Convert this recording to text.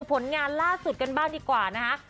ผลงานล่าสุดกันบ้างดีกว่านะคะ